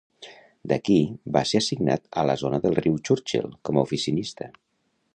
D'aquí va ser assignat a la zona del riu Churchill com a oficinista.